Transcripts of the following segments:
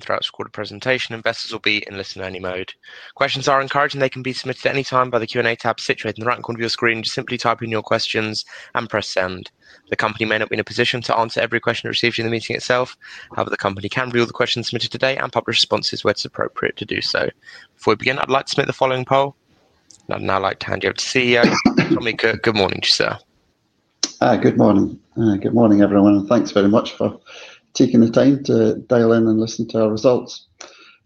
Throughout the recorded presentation, investors will be in listen-only mode. Questions are encouraged, and they can be submitted at any time by the Q&A tab situated in the right corner of your screen. Just simply type in your questions and press send. The company may not be in a position to answer every question received in the meeting itself. However, the company can view all the questions submitted today and publish responses where it is appropriate to do so. Before we begin, I'd like to submit the following poll. I'd now like to hand you over to CEO Tommy Cook. Good morning to you, sir. Good morning. Good morning, everyone. Thanks very much for taking the time to dial in and listen to our results.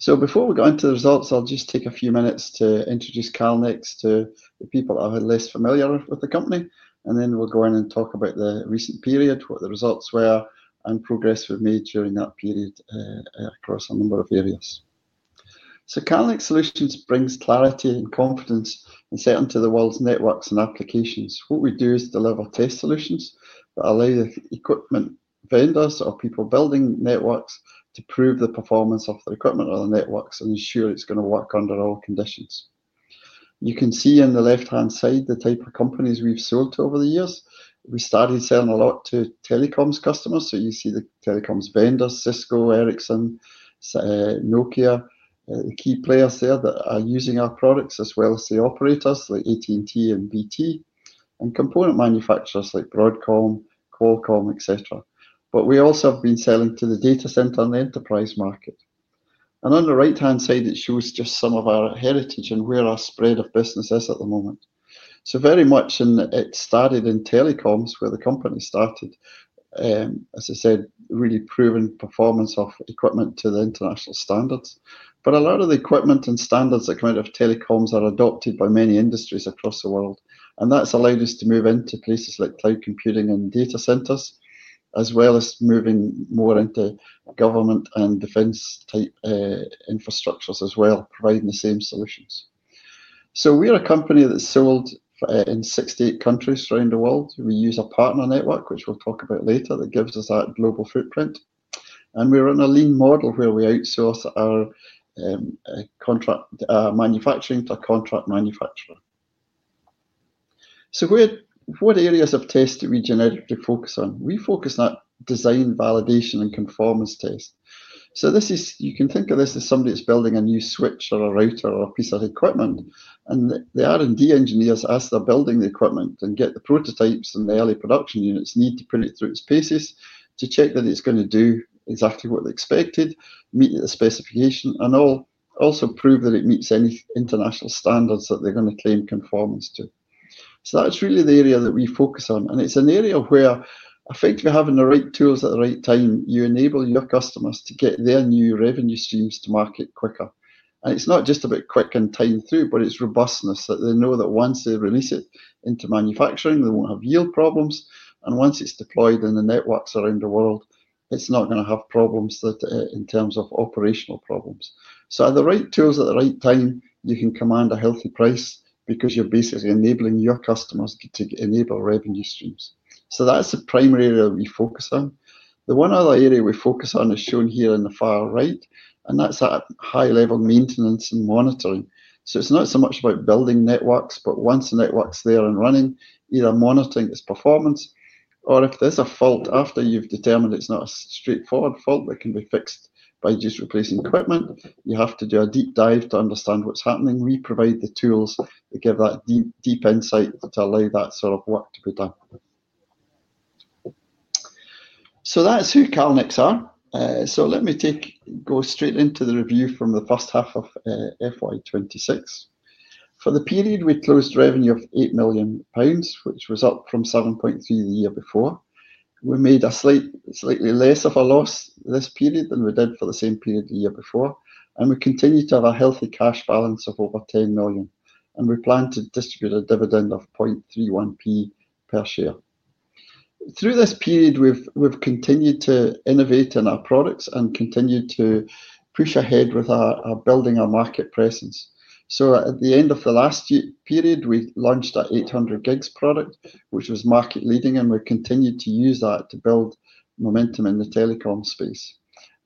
Before we go into the results, I'll just take a few minutes to introduce Calnex to the people that are less familiar with the company. Then we'll go in and talk about the recent period, what the results were, and progress we've made during that period across a number of areas. Calnex Solutions brings clarity and confidence and certainty into the world's networks and applications. What we do is deliver test solutions that allow the equipment vendors or people building networks to prove the performance of the equipment or the networks and ensure it's going to work under all conditions. You can see on the left-hand side the type of companies we've sold to over the years. We started selling a lot to telecoms customers. You see the telecoms vendors: Cisco, Ericsson, Nokia, the key players there that are using our products, as well as the operators like AT&T and BT, and component manufacturers like Broadcom, Qualcomm, etc. We also have been selling to the data center and the enterprise market. On the right-hand side, it shows just some of our heritage and where our spread of business is at the moment. Very much in it started in telecoms where the company started, as I said, really proving performance of equipment to the international standards. A lot of the equipment and standards that come out of telecoms are adopted by many industries across the world. That has allowed us to move into places like cloud computing and data centers, as well as moving more into government and defense-type infrastructures as well, providing the same solutions. We're a company that's sold in 68 countries around the world. We use a partner network, which we'll talk about later, that gives us that global footprint. We're on a lean model where we outsource our manufacturing to a contract manufacturer. What areas of test do we generally focus on? We focus on design, validation, and conformance tests. You can think of this as somebody that's building a new switch or a router or a piece of equipment. The R&D engineers, as they're building the equipment and get the prototypes and the early production units, need to put it through its paces to check that it's going to do exactly what they expected, meet the specification, and also prove that it meets any international standards that they're going to claim conformance to. That's really the area that we focus on. It is an area where, effectively, having the right tools at the right time, you enable your customers to get their new revenue streams to market quicker. It is not just about quick and time through, but it is robustness that they know that once they release it into manufacturing, they will not have yield problems. Once it is deployed in the networks around the world, it is not going to have problems in terms of operational problems. The right tools at the right time, you can command a healthy price because you are basically enabling your customers to enable revenue streams. That is the primary area we focus on. The one other area we focus on is shown here on the far right, and that is at high-level maintenance and monitoring. It's not so much about building networks, but once the network's there and running, either monitoring its performance or if there's a fault after you've determined it's not a straightforward fault that can be fixed by just replacing equipment, you have to do a deep dive to understand what's happening. We provide the tools that give that deep insight to allow that sort of work to be done. That's who Calnex are. Let me go straight into the review from the first half of FY 2026. For the period, we closed revenue of 8 million pounds, which was up from 7.3 million the year before. We made slightly less of a loss this period than we did for the same period the year before. We continue to have a healthy cash balance of over 10 million. We plan to distribute a dividend of 0.0031 per share. Through this period, we've continued to innovate in our products and continued to push ahead with building our market presence. At the end of the last period, we launched a 800G product, which was market-leading, and we've continued to use that to build momentum in the telecom space.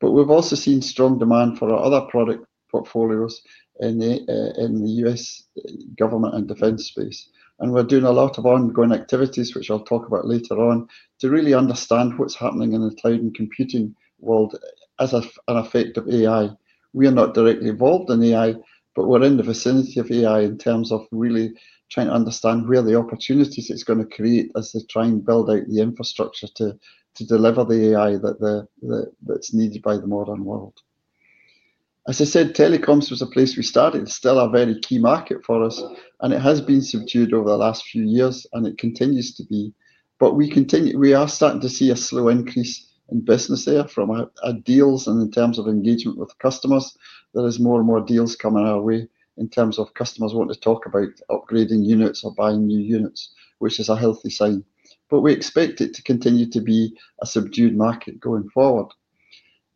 We've also seen strong demand for our other product portfolios in the U.S. government and defense space. We're doing a lot of ongoing activities, which I'll talk about later on, to really understand what's happening in the cloud and computing world as an effect of AI. We are not directly involved in AI, but we're in the vicinity of AI in terms of really trying to understand where the opportunities it's going to create as they try and build out the infrastructure to deliver the AI that's needed by the modern world. As I said, telecoms was a place we started. It's still a very key market for us, and it has been subdued over the last few years, and it continues to be. We are starting to see a slow increase in business there from our deals and in terms of engagement with customers. There are more and more deals coming our way in terms of customers wanting to talk about upgrading units or buying new units, which is a healthy sign. We expect it to continue to be a subdued market going forward.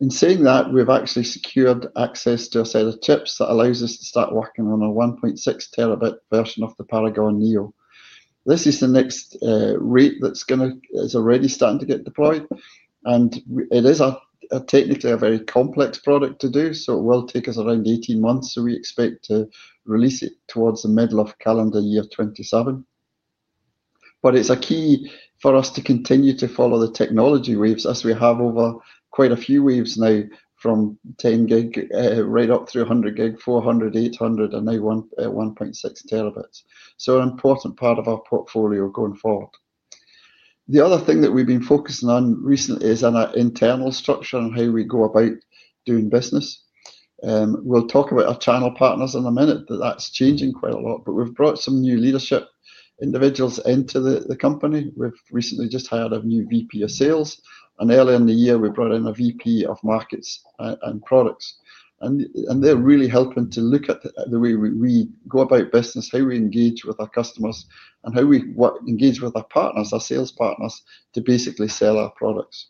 In saying that, we've actually secured access to a set of chips that allows us to start working on a 1.6 Tb version of the Paragon-neo. This is the next rate that's already starting to get deployed. It is technically a very complex product to do, so it will take us around 18 months. We expect to release it towards the middle of calendar year 2027. It is key for us to continue to follow the technology waves as we have over quite a few waves now from 10G right up through 100G, 400G, 800G, and now 1.6 Tb. An important part of our portfolio going forward. The other thing that we've been focusing on recently is on our internal structure and how we go about doing business. We'll talk about our channel partners in a minute, that is changing quite a lot. We've brought some new leadership individuals into the company. We've recently just hired a new VP of Sales. Earlier in the year, we brought in a VP of Markets and Products. They're really helping to look at the way we go about business, how we engage with our customers, and how we engage with our partners, our sales partners, to basically sell our products.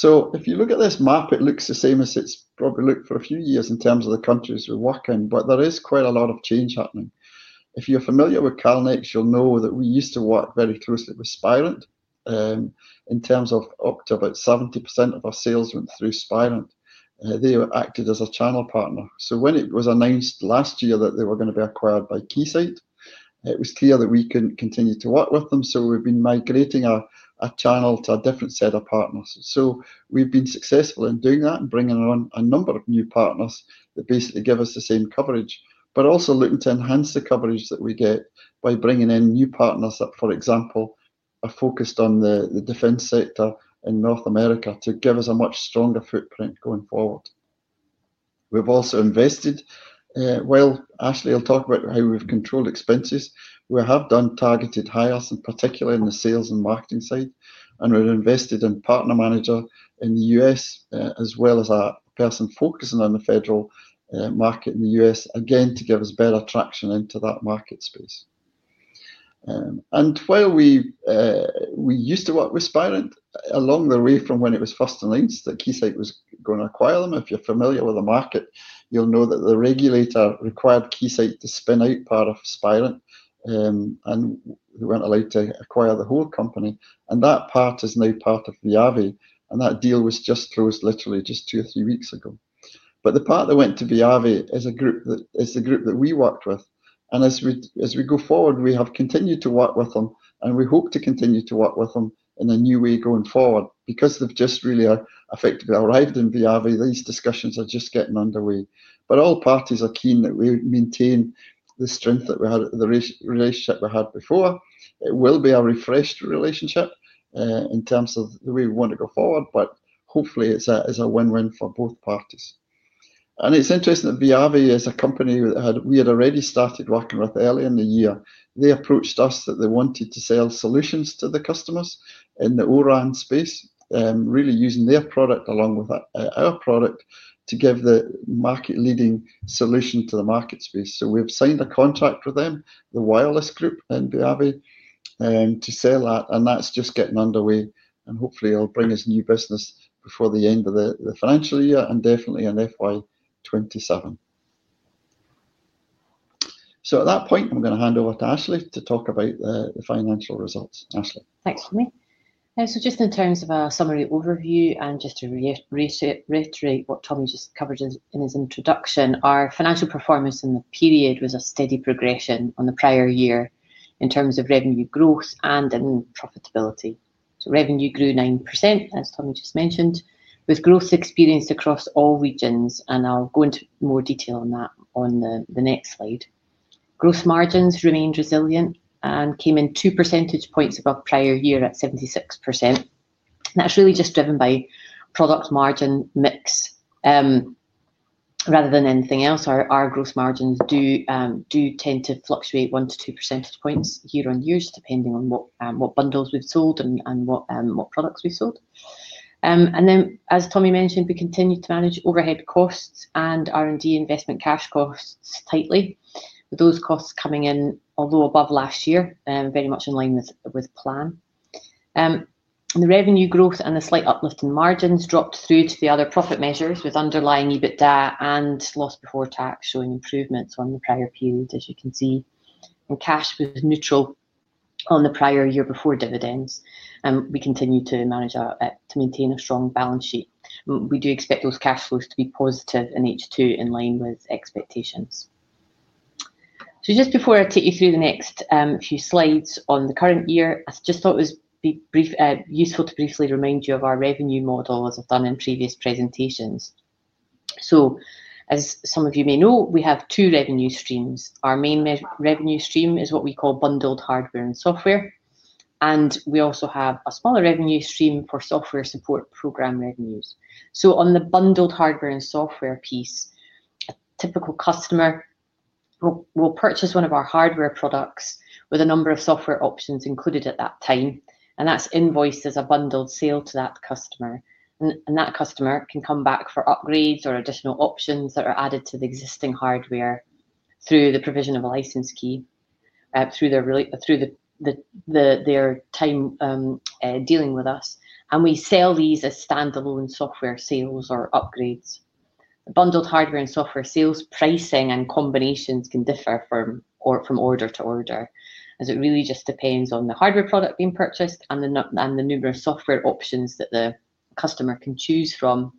If you look at this map, it looks the same as it's probably looked for a few years in terms of the countries we work in, but there is quite a lot of change happening. If you're familiar with Calnex, you'll know that we used to work very closely with Spirent in terms of up to about 70% of our sales went through Spirent. They acted as a channel partner. When it was announced last year that they were going to be acquired by Keysight, it was clear that we couldn't continue to work with them. We've been migrating our channel to a different set of partners. We have been successful in doing that and bringing on a number of new partners that basically give us the same coverage, but also looking to enhance the coverage that we get by bringing in new partners that, for example, are focused on the defense sector in North America to give us a much stronger footprint going forward. We have also invested. Ashleigh, I'll talk about how we've controlled expenses. We have done targeted hires, in particular in the sales and marketing side. We have invested in a partner manager in the U.S., as well as a person focusing on the federal market in the U.S., again, to give us better traction into that market space. While we used to work with Spirent, along the way from when it was first announced that Keysight was going to acquire them, if you're familiar with the market, you'll know that the regulator required Keysight to spin out part of Spirent, and they were not allowed to acquire the whole company. That part is now part of VIAVI. That deal was just closed, literally just two or three weeks ago. The part that went to VIAVI is a group that we worked with. As we go forward, we have continued to work with them, and we hope to continue to work with them in a new way going forward. Because they have just really effectively arrived in VIAVI, these discussions are just getting underway. All parties are keen that we maintain the strength that we had, the relationship we had before. It will be a refreshed relationship in terms of the way we want to go forward, but hopefully, it's a win-win for both parties. It's interesting that VIAVI is a company that we had already started working with earlier in the year. They approached us that they wanted to sell solutions to the customers in the O-RAN space, really using their product along with our product to give the market-leading solution to the market space. We have signed a contract with them, the Wireless Group in VIAVI, to sell that. That's just getting underway. Hopefully, it'll bring us new business before the end of the financial year and definitely in FY2027. At that point, I'm going to hand over to Ashleigh to talk about the financial results. Ashleigh. Thanks, Tommy. Just in terms of our summary overview and just to reiterate what Tommy just covered in his introduction, our financial performance in the period was a steady progression on the prior year in terms of revenue growth and in profitability. Revenue grew 9%, as Tommy just mentioned, with growth experienced across all regions. I'll go into more detail on that on the next slide. Gross margins remained resilient and came in two percentage points above prior year at 76%. That's really just driven by product margin mix rather than anything else. Our gross margins do tend to fluctuate one to two percentage points year on year, depending on what bundles we've sold and what products we've sold. As Tommy mentioned, we continue to manage overhead costs and R&D investment cash costs tightly, with those costs coming in a little above last year, very much in line with plan. The revenue growth and the slight uplift in margins dropped through to the other profit measures with underlying EBITDA and loss before tax showing improvements on the prior period, as you can see. Cash was neutral on the prior year before dividends. We continue to maintain a strong balance sheet. We do expect those cash flows to be positive in H2 in line with expectations. Just before I take you through the next few slides on the current year, I thought it would be useful to briefly remind you of our revenue model, as I've done in previous presentations. As some of you may know, we have two revenue streams. Our main revenue stream is what we call bundled hardware and software. We also have a smaller revenue stream for software support program revenues. On the bundled hardware and software piece, a typical customer will purchase one of our hardware products with a number of software options included at that time. That is invoiced as a bundled sale to that customer. That customer can come back for upgrades or additional options that are added to the existing hardware through the provision of a license key through their time dealing with us. We sell these as standalone software sales or upgrades. The bundled hardware and software sales pricing and combinations can differ from order to order, as it really just depends on the hardware product being purchased and the numerous software options that the customer can choose from.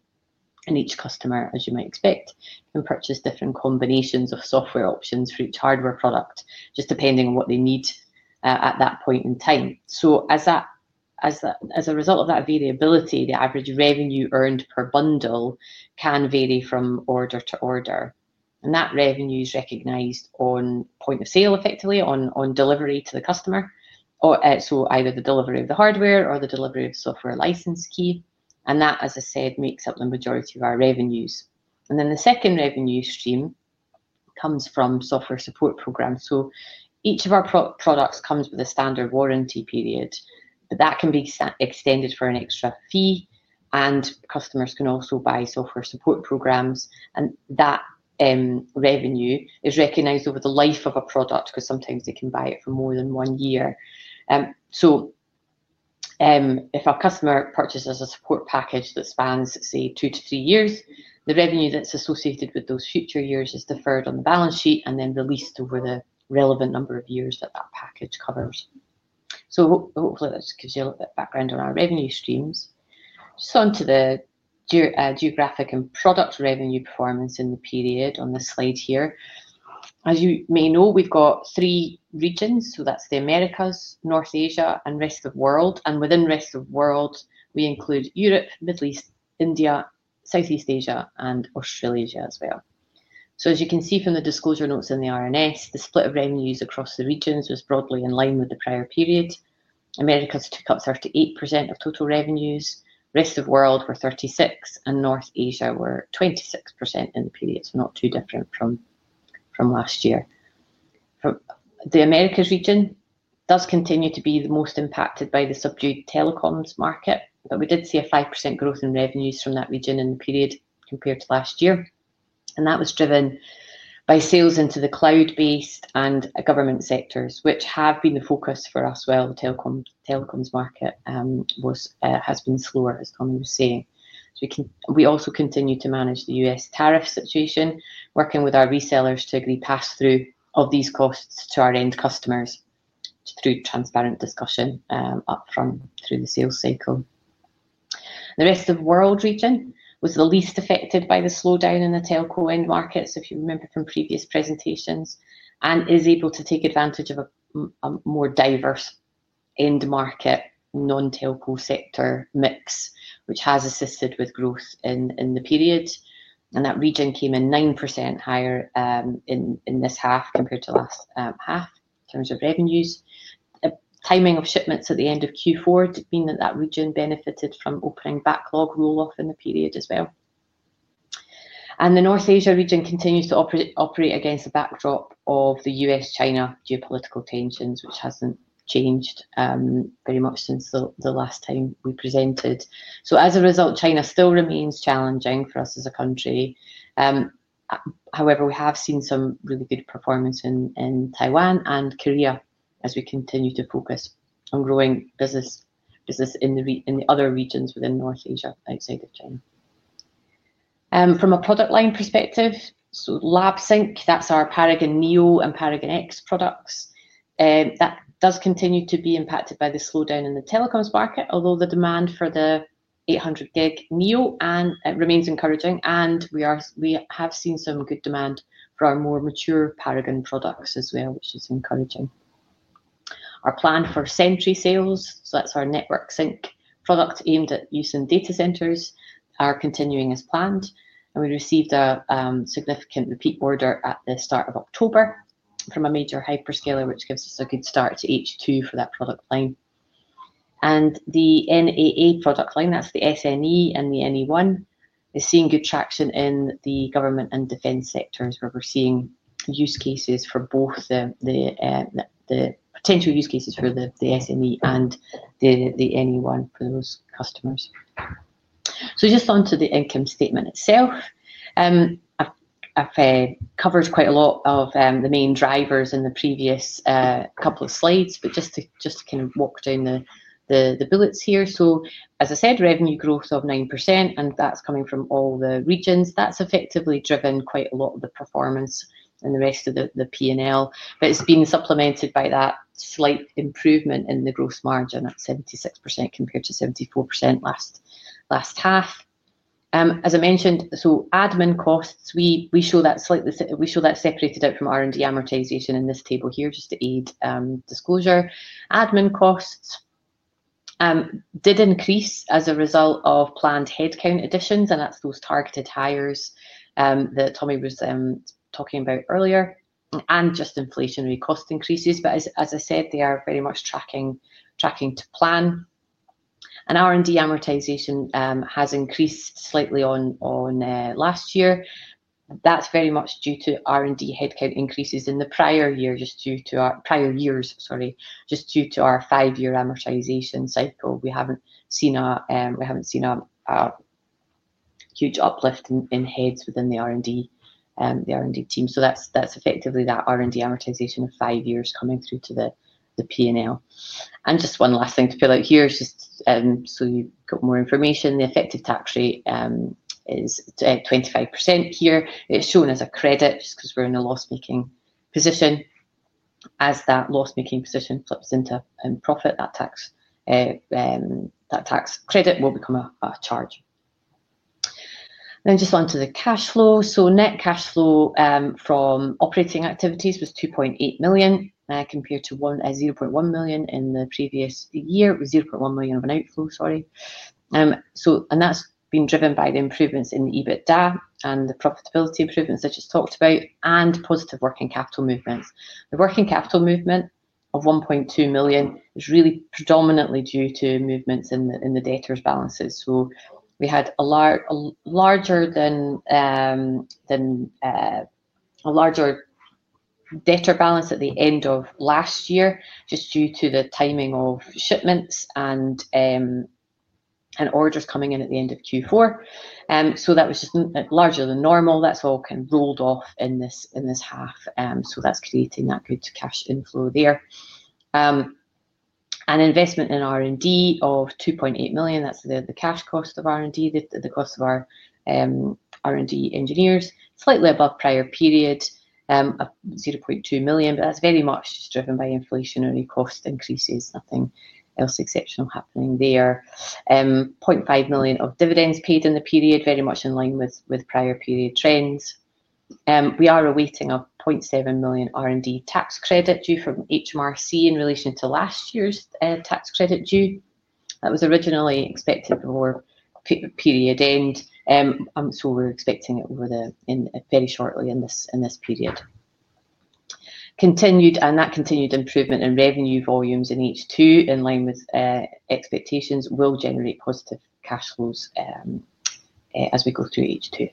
Each customer, as you might expect, can purchase different combinations of software options for each hardware product, just depending on what they need at that point in time. As a result of that variability, the average revenue earned per bundle can vary from order to order. That revenue is recognized on point of sale, effectively, on delivery to the customer. Either the delivery of the hardware or the delivery of software license key. That, as I said, makes up the majority of our revenues. The second revenue stream comes from software support programs. Each of our products comes with a standard warranty period, but that can be extended for an extra fee. Customers can also buy software support programs. That revenue is recognized over the life of a product because sometimes they can buy it for more than one year. If a customer purchases a support package that spans, say, two to three years, the revenue that's associated with those future years is deferred on the balance sheet and then released over the relevant number of years that that package covers. Hopefully, that just gives you a little bit of background on our revenue streams. Just on to the geographic and product revenue performance in the period on the slide here. As you may know, we've got three regions. That's the Americas, North Asia, and rest of the world. Within rest of the world, we include Europe, Middle East, India, Southeast Asia, and Australia as well. As you can see from the disclosure notes in the R&S, the split of revenues across the regions was broadly in line with the prior period. Americas took up 38% of total revenues. Rest of the world were 36%, and North Asia were 26% in the period, so not too different from last year. The America region does continue to be the most impacted by the subdued telecoms market, but we did see a 5% growth in revenues from that region in the period compared to last year. That was driven by sales into the cloud-based and government sectors, which have been the focus for us as well. The telecoms market has been slower, as Tommy was saying. We also continue to manage the US tariff situation, working with our resellers to agree pass-through of these costs to our end customers through transparent discussion upfront through the sales cycle. The rest of the world region was the least affected by the slowdown in the telco end markets, if you remember from previous presentations, and is able to take advantage of a more diverse end market non-telco sector mix, which has assisted with growth in the period. That region came in 9% higher in this half compared to last half in terms of revenues. Timing of shipments at the end of Q4 did mean that that region benefited from opening backlog rolloff in the period as well. The North Asia region continues to operate against the backdrop of the U.S.-China geopolitical tensions, which has not changed very much since the last time we presented. As a result, China still remains challenging for us as a country. However, we have seen some really good performance in Taiwan and Korea as we continue to focus on growing business in the other regions within North Asia outside of China. From a product line perspective, Lab Sync, that's our Paragon-neo and Paragon-X products. That does continue to be impacted by the slowdown in the telecoms market, although the demand for the 800G Neo remains encouraging. We have seen some good demand for our more mature Paragon products as well, which is encouraging. Our plan for Sentry sales, that's our Network Sync product aimed at use in data centers, are continuing as planned. We received a significant repeat order at the start of October from a major hyperscaler, which gives us a good start to H2 for that product line. The NAA product line, that's the SNE and the NE-ONE, is seeing good traction in the government and defense sectors, where we're seeing use cases for both the potential use cases for the SNE and the NE-ONE for those customers. Just on to the income statement itself. I've covered quite a lot of the main drivers in the previous couple of slides, just to kind of walk down the bullets here. As I said, revenue growth of 9%, and that's coming from all the regions. That's effectively driven quite a lot of the performance in the rest of the P&L. It's been supplemented by that slight improvement in the gross margin at 76% compared to 74% last half. As I mentioned, admin costs, we show that separated out from R&D amortization in this table here, just to aid disclosure. Admin costs did increase as a result of planned headcount additions, and that's those targeted hires that Tommy was talking about earlier, and just inflationary cost increases. As I said, they are very much tracking to plan. R&D amortization has increased slightly on last year. That's very much due to R&D headcount increases in the prior year, just due to our prior years, sorry, just due to our five-year amortization cycle. We haven't seen a huge uplift in heads within the R&D team. That's effectively that R&D amortization of five years coming through to the P&L. Just one last thing to fill out here, just so you've got more information. The effective tax rate is 25% here. It's shown as a credit just because we're in a loss-making position. As that loss-making position flips into profit, that tax credit will become a charge. Just on to the cash flow. Net cash flow from operating activities was 2.8 million, compared to 0.1 million in the previous year. It was 0.1 million of an outflow, sorry. That's been driven by the improvements in the EBITDA and the profitability improvements I just talked about, and positive working capital movements. The working capital movement of 1.2 million is really predominantly due to movements in the debtors' balances. We had a larger debtor balance at the end of last year, just due to the timing of shipments and orders coming in at the end of Q4. That was just larger than normal. That's all kind of rolled off in this half. That's creating that good cash inflow there. Investment in R&D of 2.8 million, that's the cash cost of R&D, the cost of our R&D engineers, slightly above prior period of 0.2 million, but that's very much just driven by inflationary cost increases. Nothing else exceptional happening there. 0.5 million of dividends paid in the period, very much in line with prior period trends. We are awaiting a 0.7 million R&D tax credit due from HMRC in relation to last year's tax credit due. That was originally expected before period end. We are expecting it very shortly in this period. That continued improvement in revenue volumes in H2, in line with expectations, will generate positive cash flows as we go through H2.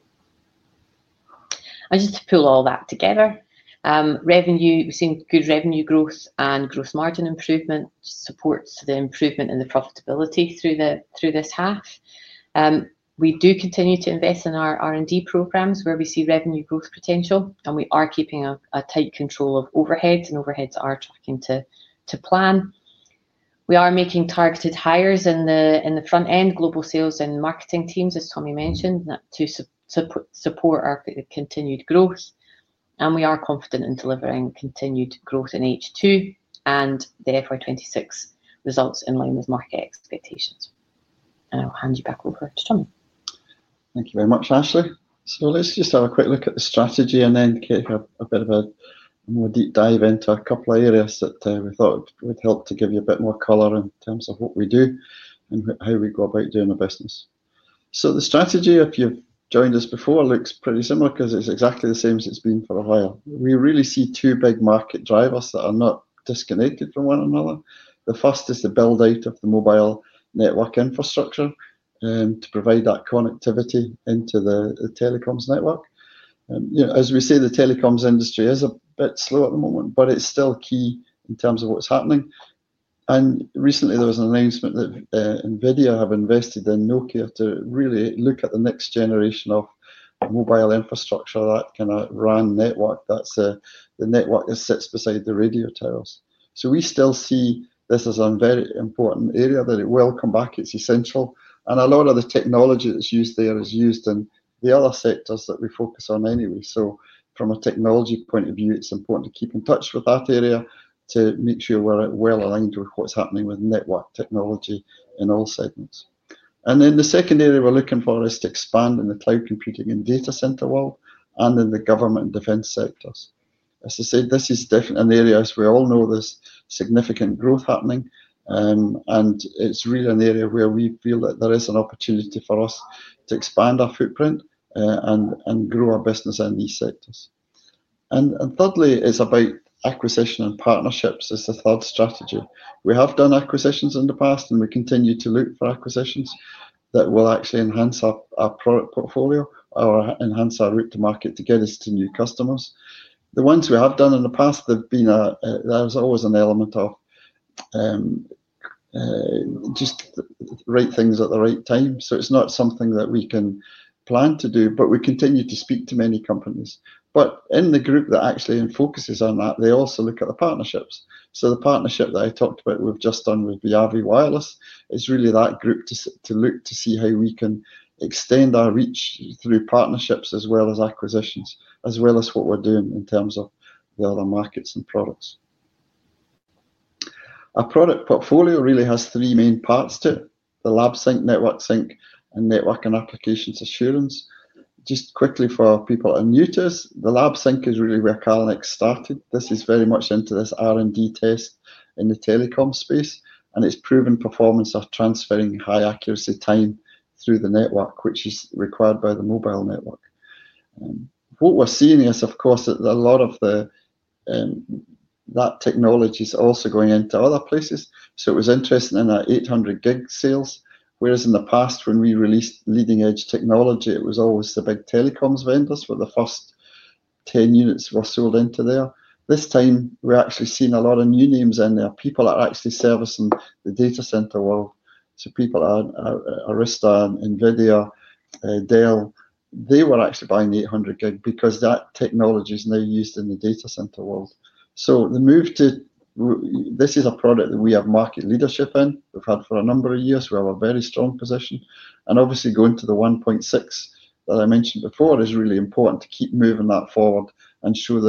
Just to pull all that together, revenue, we've seen good revenue growth and gross margin improvement, supports to the improvement in the profitability through this half. We do continue to invest in our R&D programs where we see revenue growth potential, and we are keeping a tight control of overheads, and overheads are tracking to plan. We are making targeted hires in the front end, global sales and marketing teams, as Tommy mentioned, to support our continued growth. We are confident in delivering continued growth in H2 and the FY 2026 results in line with market expectations. I'll hand you back over to Tommy. Thank you very much, Ashleigh. Let's just have a quick look at the strategy and then take a bit of a more deep dive into a couple of areas that we thought would help to give you a bit more color in terms of what we do and how we go about doing business. The strategy, if you've joined us before, looks pretty similar because it's exactly the same as it's been for a while. We really see two big market drivers that are not disconnected from one another. The first is the build-out of the mobile network infrastructure to provide that connectivity into the telecoms network. As we say, the telecoms industry is a bit slow at the moment, but it's still key in terms of what's happening. Recently, there was an announcement that NVIDIA have invested in Nokia to really look at the next generation of mobile infrastructure, that kind of RAN network. That's the network that sits beside the radio towers. We still see this as a very important area that it will come back. It's essential. A lot of the technology that's used there is used in the other sectors that we focus on anyway. From a technology point of view, it's important to keep in touch with that area to make sure we're well aligned with what's happening with network technology in all segments. The second area we're looking for is to expand in the cloud computing and data center world and in the government and defense sectors. As I said, this is definitely an area, as we all know, there's significant growth happening. It's really an area where we feel that there is an opportunity for us to expand our footprint and grow our business in these sectors. Thirdly, it's about acquisition and partnerships. It's the third strategy. We have done acquisitions in the past, and we continue to look for acquisitions that will actually enhance our product portfolio or enhance our route to market to get us to new customers. The ones we have done in the past, there's always an element of just the right things at the right time. It is not something that we can plan to do, but we continue to speak to many companies. In the group that actually focuses on that, they also look at the partnerships. The partnership that I talked about we've just done with BRV Wireless is really that group to look to see how we can extend our reach through partnerships as well as acquisitions, as well as what we're doing in terms of the other markets and products. Our product portfolio really has three main parts to it: the Lab Sync, Network Sync, and Network and Applications Assurance. Just quickly for people who are new to us, the Lab Sync is really where Calnex started. This is very much into this R&D test in the telecom space, and it's proven performance of transferring high-accuracy time through the network, which is required by the mobile network. What we're seeing is, of course, that a lot of that technology is also going into other places. It was interesting in our 800G sales, whereas in the past, when we released leading-edge technology, it was always the big telecoms vendors where the first 10 units were sold into there. This time, we're actually seeing a lot of new names in there. People are actually servicing the data center world. People at Arista, NVIDIA, Dell, they were actually buying 800G because that technology is now used in the data center world. This is a product that we have market leadership in. We've had for a number of years. We have a very strong position. Obviously, going to the 1.6 Tb that I mentioned before is really important to keep moving that forward and show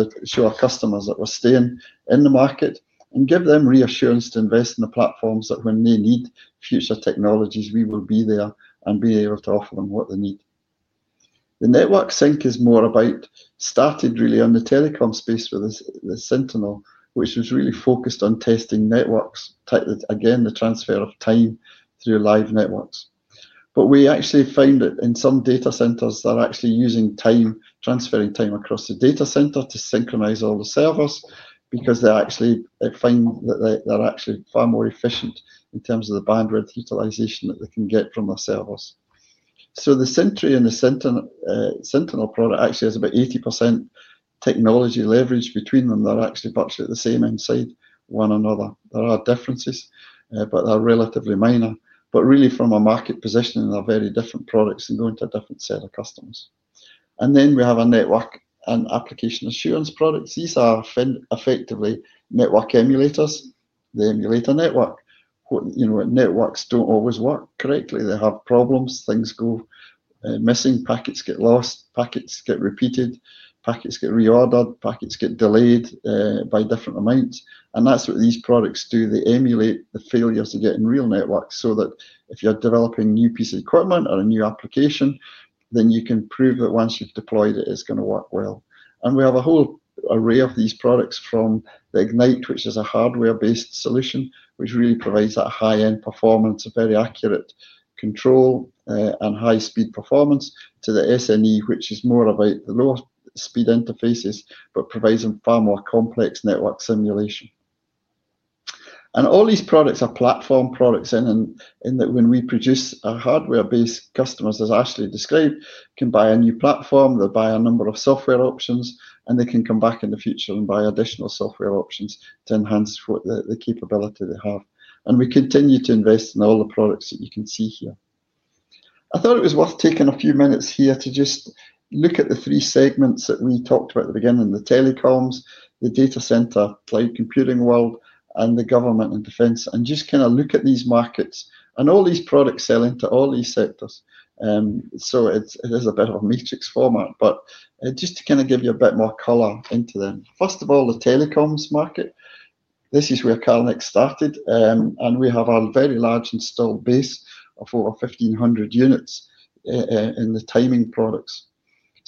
our customers that we're staying in the market and give them reassurance to invest in the platforms that when they need future technologies, we will be there and be able to offer them what they need. The Network Sync is more about started really in the telecom space with the Sentinel, which was really focused on testing networks, again, the transfer of time through live networks. We actually found that in some data centers, they're actually using time, transferring time across the data center to synchronize all the servers because they find that they're actually far more efficient in terms of the bandwidth utilization that they can get from the servers. The Sentry and the Sentinel product actually has about 80% technology leverage between them. They're actually virtually the same inside one another. There are differences, but they're relatively minor. Really, from a market position, they're very different products and go into a different set of customers. We have a network and application assurance product. These are effectively network emulators. They emulate a network. Networks don't always work correctly. They have problems. Things go missing. Packets get lost. Packets get repeated. Packets get reordered. Packets get delayed by different amounts. That's what these products do. They emulate the failures you get in real networks so that if you're developing new pieces of equipment or a new application, you can prove that once you've deployed it, it's going to work well. We have a whole array of these products from the Ignite, which is a hardware-based solution, which really provides that high-end performance, very accurate control and high-speed performance, to the SNE, which is more about the low-speed interfaces but provides a far more complex network simulation. All these products are platform products in that when we produce our hardware-based customers, as Ashleigh described, can buy a new platform. They'll buy a number of software options, and they can come back in the future and buy additional software options to enhance the capability they have. We continue to invest in all the products that you can see here. I thought it was worth taking a few minutes here to just look at the three segments that we talked about at the beginning: the telecoms, the data center, cloud computing world, and the government and defense, and just kind of look at these markets and all these products selling to all these sectors. It is a bit of a matrix format, but just to kind of give you a bit more color into them. First of all, the telecoms market, this is where Calnex started, and we have a very large installed base of over 1,500 units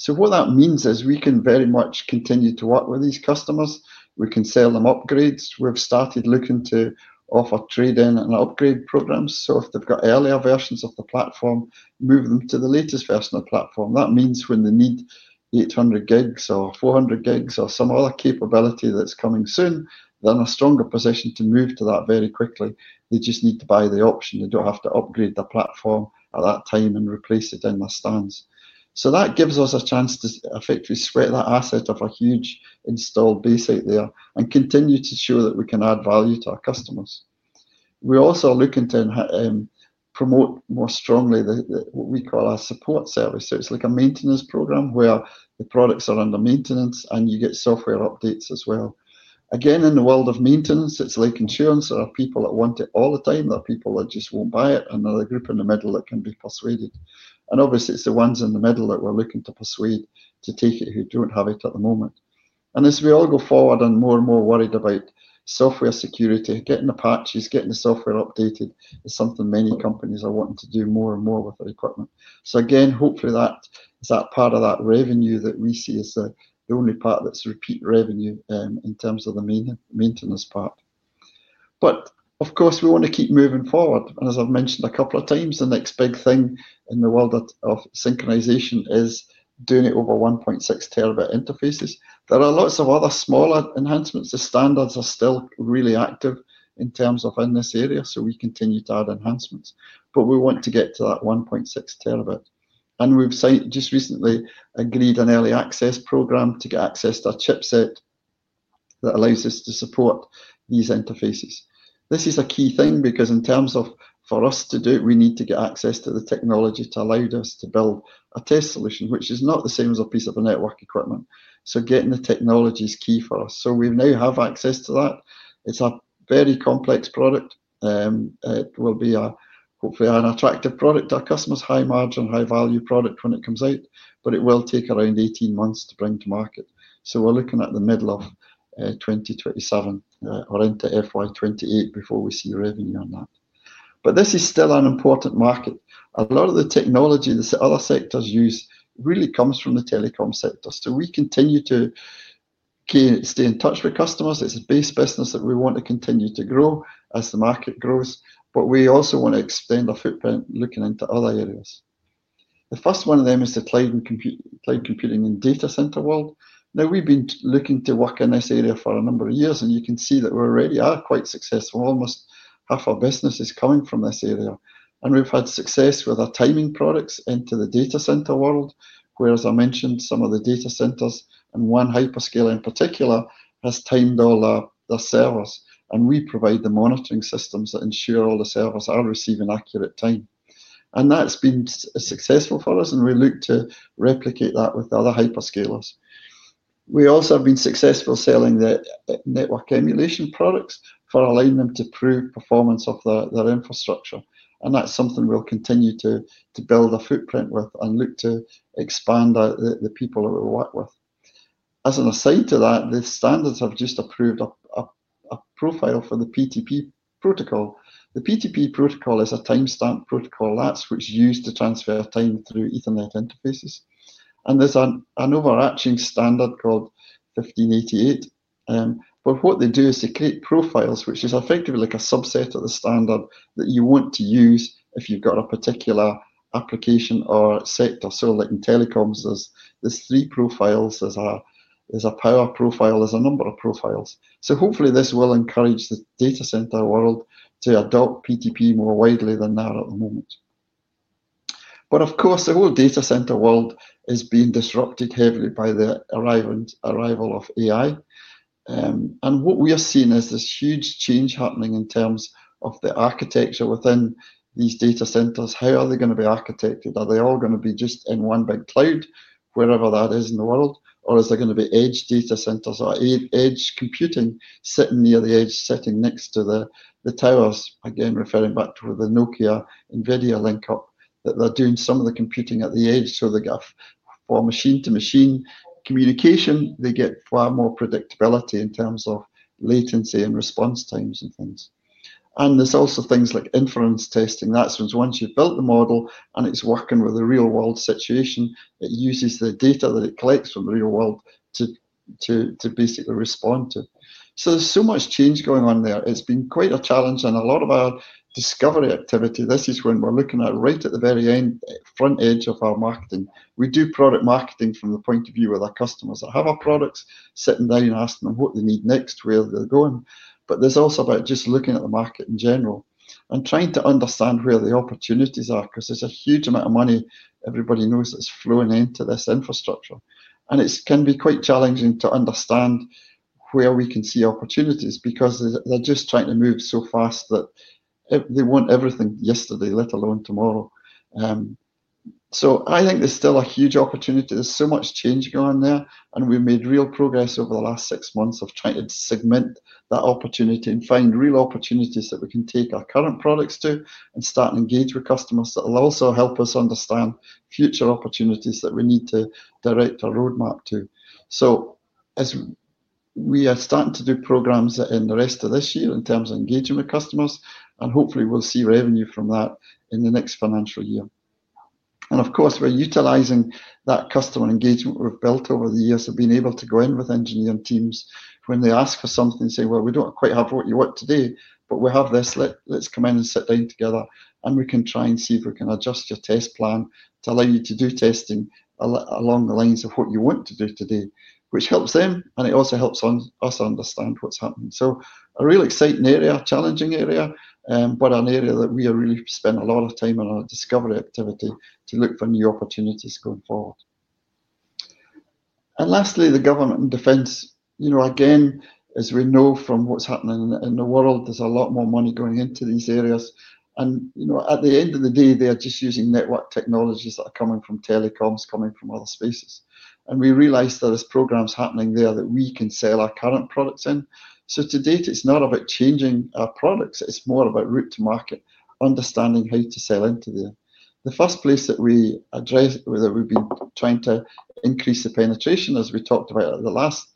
in the timing products. What that means is we can very much continue to work with these customers. We can sell them upgrades. We've started looking to offer trade-in and upgrade programs. If they've got earlier versions of the platform, move them to the latest version of the platform. That means when they need 800G or 400G or some other capability that's coming soon, they're in a stronger position to move to that very quickly. They just need to buy the option. They don't have to upgrade the platform at that time and replace it in the stands. That gives us a chance to effectively sweat that asset of a huge installed base out there and continue to show that we can add value to our customers. We're also looking to promote more strongly what we call our support service. It's like a maintenance program where the products are under maintenance, and you get software updates as well. Again, in the world of maintenance, it's like insurance. There are people that want it all the time. There are people that just won't buy it, and there's a group in the middle that can be persuaded. Obviously, it's the ones in the middle that we're looking to persuade to take it who don't have it at the moment. As we all go forward and more and more worried about software security, getting the patches, getting the software updated is something many companies are wanting to do more and more with their equipment. Hopefully, that's part of that revenue that we see as the only part that's repeat revenue in terms of the maintenance part. Of course, we want to keep moving forward. As I've mentioned a couple of times, the next big thing in the world of synchronization is doing it over 1.6 Tb interfaces. There are lots of other smaller enhancements. The standards are still really active in this area, so we continue to add enhancements. We want to get to that 1.6 Tb. We have just recently agreed an early access program to get access to a chipset that allows us to support these interfaces. This is a key thing because in terms of for us to do it, we need to get access to the technology to allow us to build a test solution, which is not the same as a piece of network equipment. Getting the technology is key for us. We now have access to that. It is a very complex product. It will be hopefully an attractive product to our customers, high-margin, high-value product when it comes out, but it will take around 18 months to bring to market. We are looking at the middle of 2027 or into FY 2028 before we see revenue on that. This is still an important market. A lot of the technology that other sectors use really comes from the telecom sector. We continue to stay in touch with customers. It's a base business that we want to continue to grow as the market grows, but we also want to extend our footprint looking into other areas. The first one of them is the cloud computing and data center world. Now, we've been looking to work in this area for a number of years, and you can see that we already are quite successful. Almost half our business is coming from this area. We've had success with our timing products into the data center world, where, as I mentioned, some of the data centers and one hyperscaler in particular has timed all the servers, and we provide the monitoring systems that ensure all the servers are receiving accurate time. That's been successful for us, and we look to replicate that with other hyperscalers. We also have been successful selling the network emulation products for allowing them to prove performance of their infrastructure. That is something we will continue to build a footprint with and look to expand the people that we work with. As an aside to that, the standards have just approved a profile for the PTP protocol. The PTP protocol is a timestamp protocol that is used to transfer time through Ethernet interfaces. There is an overarching standard called 1588. What they do is they create profiles, which is effectively like a subset of the standard that you want to use if you have a particular application or sector. In telecoms, there are three profiles. There is a power profile. There are a number of profiles. Hopefully, this will encourage the data center world to adopt PTP more widely than that at the moment. Of course, the whole data center world is being disrupted heavily by the arrival of AI. What we are seeing is this huge change happening in terms of the architecture within these data centers. How are they going to be architected? Are they all going to be just in one big cloud, wherever that is in the world, or is there going to be edge data centers or edge computing sitting near the edge, sitting next to the towers? Again, referring back to the Nokia, NVIDIA link-up, that they're doing some of the computing at the edge. They've got more machine-to-machine communication. They get far more predictability in terms of latency and response times and things. There's also things like inference testing. Once you've built the model and it's working with a real-world situation, it uses the data that it collects from the real world to basically respond to. There's so much change going on there. It's been quite a challenge. A lot of our discovery activity, this is when we're looking at right at the very front edge of our marketing. We do product marketing from the point of view of our customers that have our products sitting there and asking them what they need next, where they're going. There's also about just looking at the market in general and trying to understand where the opportunities are because there's a huge amount of money everybody knows that's flowing into this infrastructure. It can be quite challenging to understand where we can see opportunities because they're just trying to move so fast that they want everything yesterday, let alone tomorrow. I think there's still a huge opportunity. There's so much change going on there, and we've made real progress over the last six months of trying to segment that opportunity and find real opportunities that we can take our current products to and start to engage with customers that will also help us understand future opportunities that we need to direct our roadmap to. We are starting to do programs in the rest of this year in terms of engaging with customers, and hopefully, we'll see revenue from that in the next financial year. Of course, we're utilizing that customer engagement we've built over the years of being able to go in with engineering teams when they ask for something and say, "Well, we don't quite have what you want today, but we have this. Let's come in and sit down together, and we can try and see if we can adjust your test plan to allow you to do testing along the lines of what you want to do today," which helps them, and it also helps us understand what's happening. A real exciting area, challenging area, but an area that we have really spent a lot of time on our discovery activity to look for new opportunities going forward. Lastly, the government and defense. Again, as we know from what's happening in the world, there's a lot more money going into these areas. At the end of the day, they are just using network technologies that are coming from telecoms, coming from other spaces. We realize that there's programs happening there that we can sell our current products in. To date, it's not about changing our products. It's more about route to market, understanding how to sell into there. The first place that we address, where we've been trying to increase the penetration, as we talked about at the last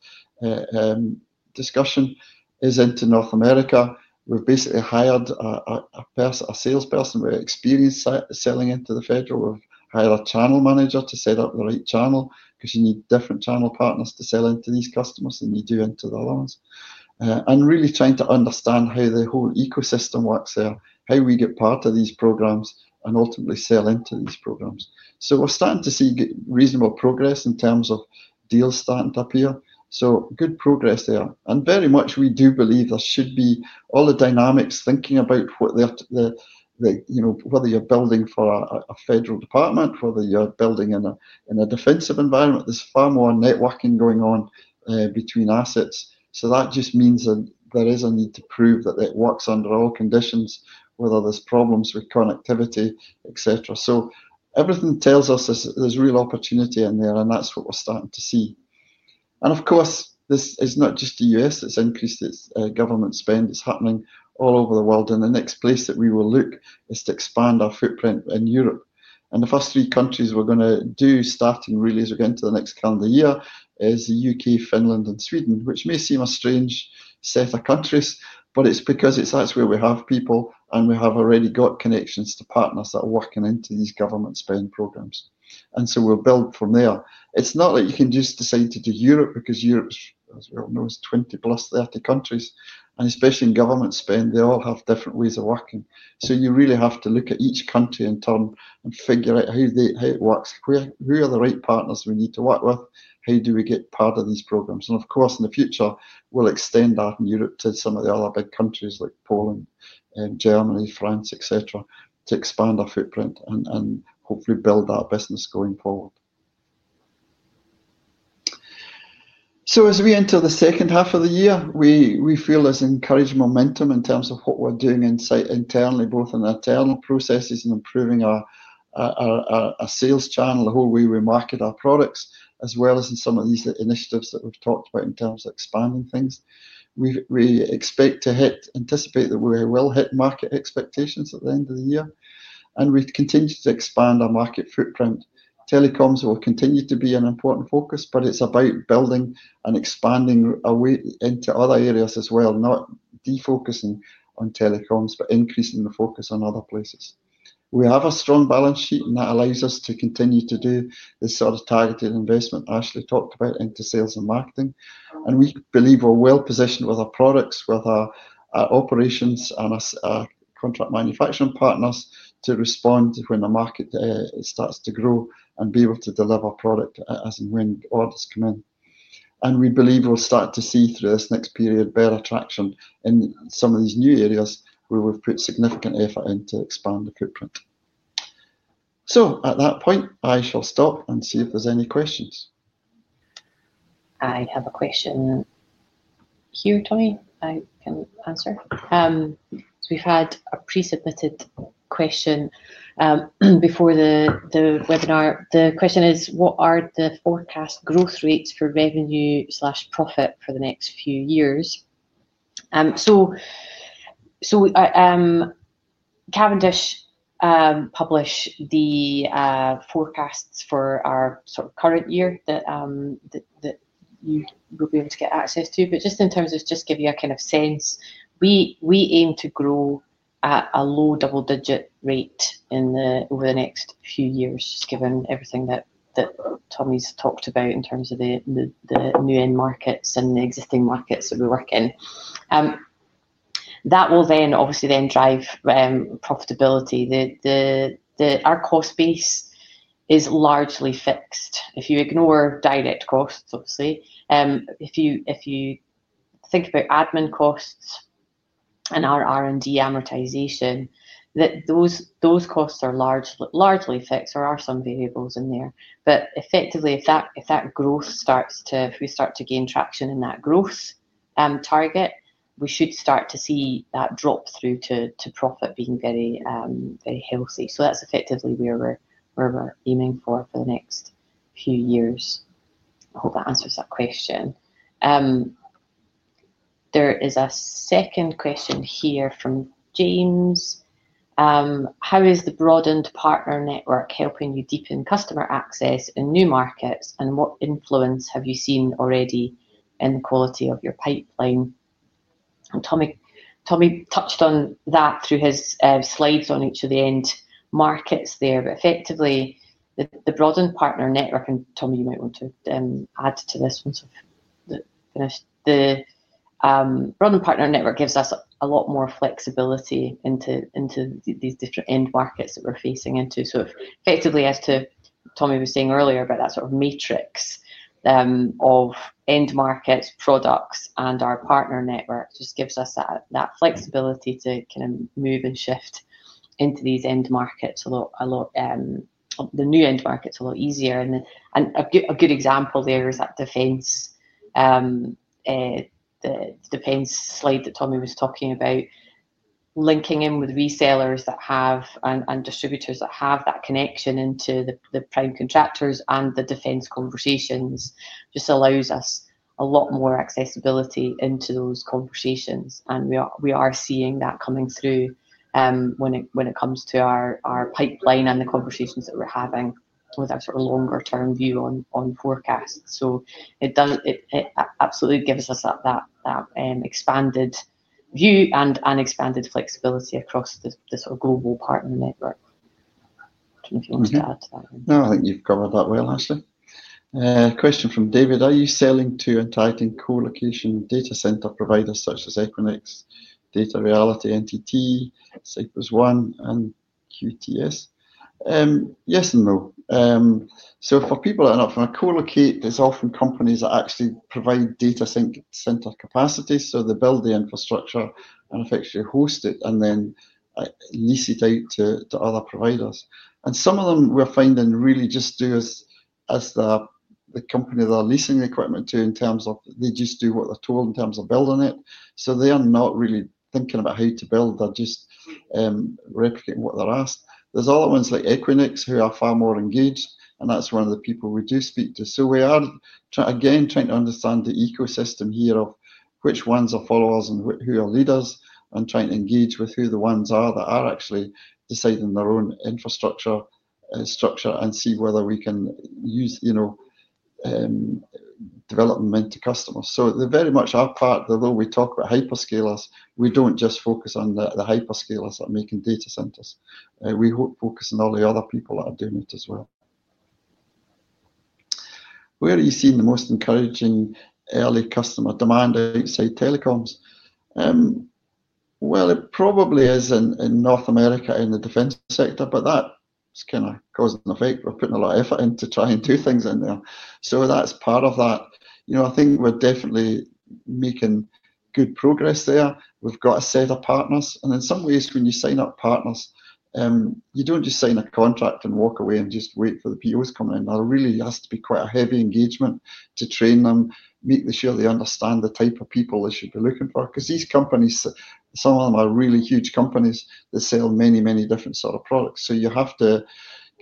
discussion, is into North America. We've basically hired a salesperson. We're experienced selling into the federal. We've hired a channel manager to set up the right channel because you need different channel partners to sell into these customers than you do into the other ones. Really trying to understand how the whole ecosystem works there, how we get part of these programs, and ultimately sell into these programs. We're starting to see reasonable progress in terms of deals starting to appear. Good progress there. Very much, we do believe there should be all the dynamics thinking about whether you're building for a federal department, whether you're building in a defensive environment. There's far more networking going on between assets. That just means there is a need to prove that it works under all conditions, whether there's problems with connectivity, etc. Everything tells us there's real opportunity in there, and that's what we're starting to see. Of course, this is not just the U.S. It's increased its government spend. It's happening all over the world. The next place that we will look is to expand our footprint in Europe. The first three countries we're going to do starting really as we go into the next calendar year are the U.K., Finland, and Sweden, which may seem a strange set of countries, but it's because that's where we have people, and we have already got connections to partners that are working into these government spend programs. We'll build from there. It's not like you can just decide to do Europe because Europe, as we all know, is 20-30 countries. Especially in government spend, they all have different ways of working. You really have to look at each country in turn and figure out how it works, who are the right partners we need to work with, how do we get part of these programs. Of course, in the future, we'll extend that in Europe to some of the other big countries like Poland, Germany, France, etc., to expand our footprint and hopefully build our business going forward. As we enter the second half of the year, we feel there's encouraged momentum in terms of what we're doing internally, both in the internal processes and improving our sales channel, the whole way we market our products, as well as in some of these initiatives that we've talked about in terms of expanding things. We expect to anticipate that we will hit market expectations at the end of the year. We've continued to expand our market footprint. Telecoms will continue to be an important focus, but it's about building and expanding away into other areas as well, not defocusing on telecoms, but increasing the focus on other places. We have a strong balance sheet, and that allows us to continue to do this sort of targeted investment Ashley talked about into sales and marketing. We believe we're well positioned with our products, with our operations, and our contract manufacturing partners to respond when the market starts to grow and be able to deliver product as and when orders come in. We believe we'll start to see through this next period better traction in some of these new areas where we've put significant effort into expand the footprint. At that point, I shall stop and see if there's any questions. I have a question here, Tommy. I can answer. We have had a pre-submitted question before the webinar. The question is, what are the forecast growth rates for revenue/profit for the next few years? Cavendish published the forecasts for our current year that you will be able to get access to. Just in terms of just giving you a kind of sense, we aim to grow at a low double-digit rate over the next few years, just given everything that Tommy's talked about in terms of the new end markets and the existing markets that we work in. That will then obviously drive profitability. Our cost base is largely fixed. If you ignore direct costs, obviously, if you think about admin costs and our R&D amortization, those costs are largely fixed or are some variables in there. Effectively, if that growth starts to, if we start to gain traction in that growth target, we should start to see that drop through to profit being very healthy. That is effectively where we are aiming for the next few years. I hope that answers that question. There is a second question here from James. How is the broadened partner network helping you deepen customer access in new markets, and what influence have you seen already in the quality of your pipeline? Tommy touched on that through his slides on each of the end markets there. Effectively, the broadened partner network, and Tommy, you might want to add to this once I have finished. The broadened partner network gives us a lot more flexibility into these different end markets that we are facing into. Effectively, as Tommy was saying earlier about that sort of matrix of end markets, products, and our partner network just gives us that flexibility to kind of move and shift into these end markets a lot, the new end markets a lot easier. A good example there is that defense slide that Tommy was talking about, linking in with resellers and distributors that have that connection into the prime contractors and the defense conversations just allows us a lot more accessibility into those conversations. We are seeing that coming through when it comes to our pipeline and the conversations that we're having with our sort of longer-term view on forecasts. It absolutely gives us that expanded view and expanded flexibility across the sort of global partner network. I don't know if you wanted to add to that one. No, I think you've covered that well, Ashleigh. Question from David. Are you selling to and targeting co-location data center providers such as Equinix, Digital Realty, NTT, Cypress One, and QTS? Yes and no. For people that are not from a colocate, there's often companies that actually provide data center capacity. They build the infrastructure and effectively host it and then lease it out to other providers. Some of them we're finding really just do as the company they're leasing the equipment to in terms of they just do what they're told in terms of building it. They are not really thinking about how to build. They're just replicating what they're asked. There are other ones like Equinix who are far more engaged, and that's one of the people we do speak to. We are again trying to understand the ecosystem here of which ones are followers and who are leaders and trying to engage with who the ones are that are actually deciding their own infrastructure structure and see whether we can develop them into customers. They are very much our part. Although we talk about hyperscalers, we do not just focus on the hyperscalers that are making data centers. We focus on all the other people that are doing it as well. Where are you seeing the most encouraging early customer demand outside telecoms? It probably is in North America in the defense sector, but that is kind of cause and effect. We are putting a lot of effort into trying to do things in there. That is part of that. I think we are definitely making good progress there. We have got a set of partners. In some ways, when you sign up partners, you do not just sign a contract and walk away and just wait for the POs to come in. There really has to be quite a heavy engagement to train them, make sure they understand the type of people they should be looking for. Because these companies, some of them are really huge companies that sell many, many different sort of products. You have to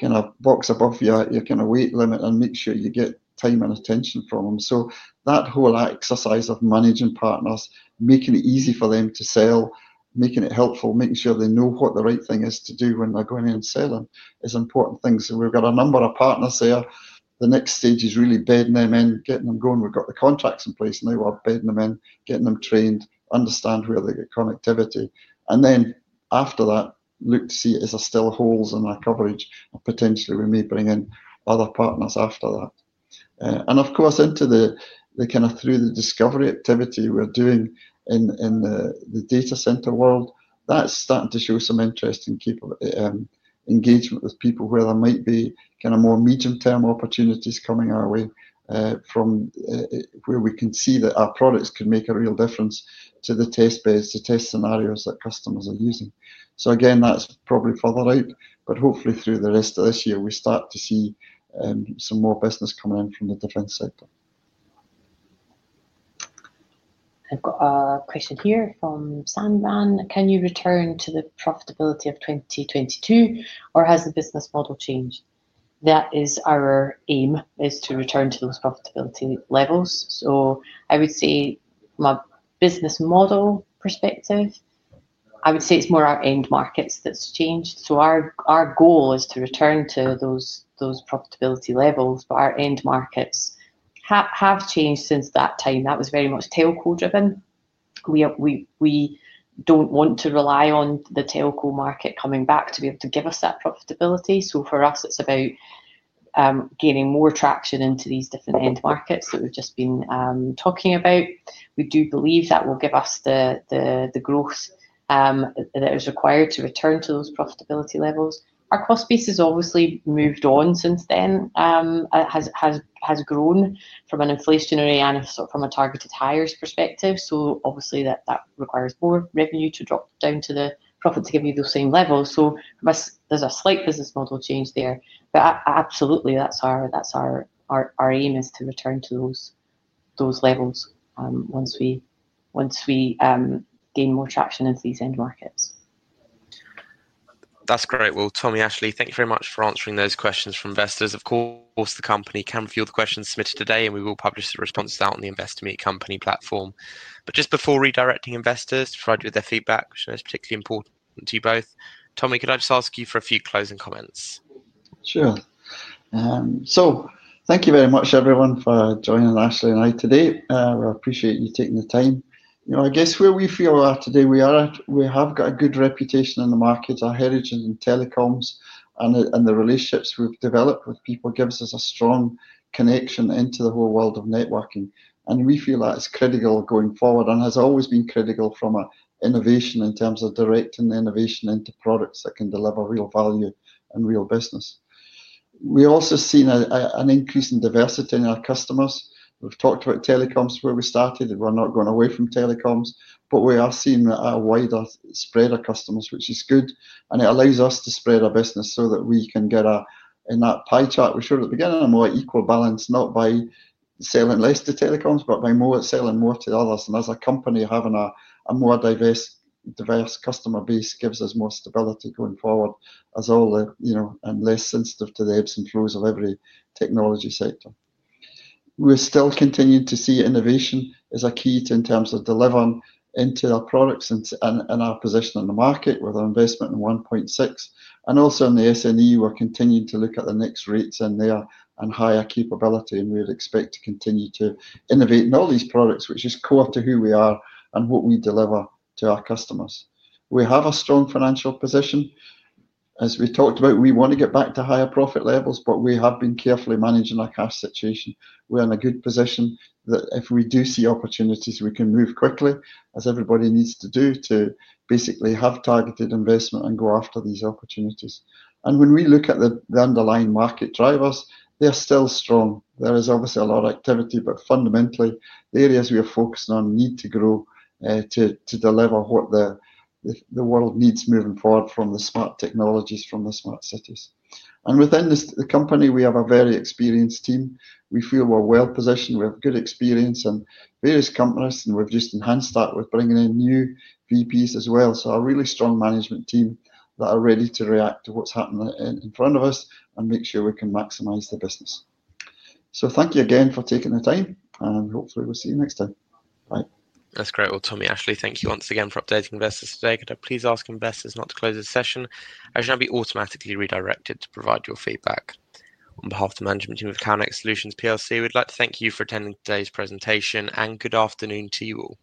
kind of box above your kind of weight limit and make sure you get time and attention from them. That whole exercise of managing partners, making it easy for them to sell, making it helpful, making sure they know what the right thing is to do when they are going in and selling is important things. We have got a number of partners there. The next stage is really bedding them in, getting them going. We've got the contracts in place. Now we're bedding them in, getting them trained, understand where they get connectivity. After that, look to see if there are still holes in our coverage. Potentially, we may bring in other partners after that. Of course, through the discovery activity we're doing in the data center world, that's starting to show some interest in engagement with people where there might be more medium-term opportunities coming our way from where we can see that our products could make a real difference to the test beds, to test scenarios that customers are using. Again, that's probably further out, but hopefully through the rest of this year, we start to see some more business coming in from the defense sector. I've got a question here from Sandman. Can you return to the profitability of 2022, or has the business model changed? That is our aim, is to return to those profitability levels. I would say, from a business model perspective, I would say it's more our end markets that's changed. Our goal is to return to those profitability levels, but our end markets have changed since that time. That was very much telco-driven. We don't want to rely on the telco market coming back to be able to give us that profitability. For us, it's about gaining more traction into these different end markets that we've just been talking about. We do believe that will give us the growth that is required to return to those profitability levels. Our cost base has obviously moved on since then. It has grown from an inflationary and from a targeted hires perspective. Obviously, that requires more revenue to drop down to the profit to give you those same levels. There's a slight business model change there. Absolutely, that's our aim is to return to those levels once we gain more traction into these end markets. That's great. Tommy, Ashley, thank you very much for answering those questions from investors. Of course, the company can review the questions submitted today, and we will publish the responses out on the Investor Meet company platform. Just before redirecting investors to provide you with their feedback, which I know is particularly important to you both, Tommy, could I just ask you for a few closing comments? Sure. Thank you very much, everyone, for joining Ashleigh and I today. We appreciate you taking the time. I guess where we feel we are today, we have got a good reputation in the markets. Our heritage in telecoms and the relationships we've developed with people gives us a strong connection into the whole world of networking. We feel that it's critical going forward and has always been critical from an innovation in terms of directing the innovation into products that can deliver real value and real business. We're also seeing an increase in diversity in our customers. We've talked about telecoms where we started. We're not going away from telecoms, but we are seeing a wider spread of customers, which is good. It allows us to spread our business so that we can get in that pie chart we showed at the beginning, a more equal balance, not by selling less to telecoms, but by selling more to others. As a company, having a more diverse customer base gives us more stability going forward as all and less sensitive to the ebbs and flows of every technology sector. We're still continuing to see innovation as a key in terms of delivering into our products and our position in the market with our investment in 1.6 Tb. Also in the SNE, we're continuing to look at the next rates in there and higher capability. We would expect to continue to innovate in all these products, which is core to who we are and what we deliver to our customers. We have a strong financial position. As we talked about, we want to get back to higher profit levels, but we have been carefully managing our cash situation. We are in a good position that if we do see opportunities, we can move quickly, as everybody needs to do, to basically have targeted investment and go after these opportunities. When we look at the underlying market drivers, they are still strong. There is obviously a lot of activity, but fundamentally, the areas we are focusing on need to grow to deliver what the world needs moving forward from the smart technologies, from the smart cities. Within the company, we have a very experienced team. We feel we are well positioned. We have good experience in various companies, and we have just enhanced that with bringing in new VPs as well. A really strong management team that are ready to react to what's happening in front of us and make sure we can maximize the business. Thank you again for taking the time, and hopefully, we'll see you next time. Bye. That's great. Tommy, Ashley, thank you once again for updating investors today. Could I please ask investors not to close the session? You should now be automatically redirected to provide your feedback. On behalf of the management team of Calnex Solutions, we'd like to thank you for attending today's presentation, and good afternoon to you all.